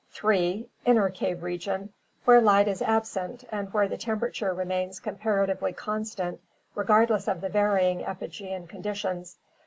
3. Inner cave region, where light is absent and where the tempera ture remains comparatively constant regardless of the varying epigean conditions.